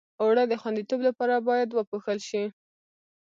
اوړه د خوندیتوب لپاره باید پوښل شي